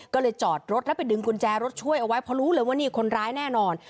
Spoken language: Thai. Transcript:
ก็เลยจอดรถแล้วไปดึงกุญแจรถช่วยเอาไว้เพราะรู้เลยว่านี่คนร้ายแน่นอน